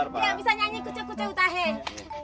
dia bisa nyanyi kucak kucak utahe